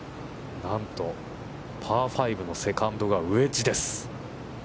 なんと、パー５のセカンドがウェッジです。